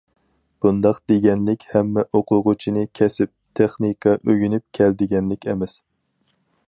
بۇنداق دېگەنلىك ھەممە ئوقۇغۇچىنى كەسىپ، تېخنىكا ئۆگىنىپ كەل دېگەنلىك ئەمەس.